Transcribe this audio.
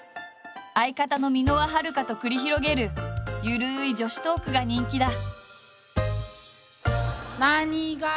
相方の箕輪はるかと繰り広げる緩い女子トークが人気だ。